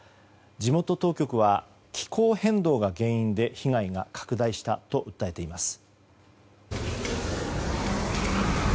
地元当局は、気候変動が原因で被害が拡大したと訴えています。